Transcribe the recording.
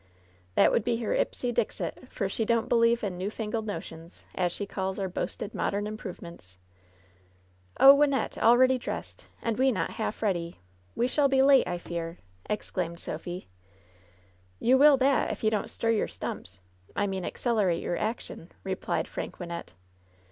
That would be her ipse dixit, for she don't believe in newfangled notions, as she calls our boasted modem improvements." "Oh, Wynnette! Already dressed! and we not' half ready ! We shall be late, I fear," exclaimed Sophy. "You will that, if you don't stjr your stumps — I mean accelerate your action," replied frank Wynnette.